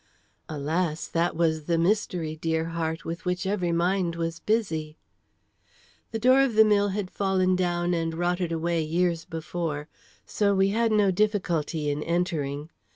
Alas! that was the mystery, dear heart, with which every mind was busy! The door of the mill had fallen down and rotted away years before, so we had no difficulty in entering.